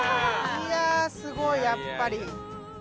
いやあすごいやっぱり。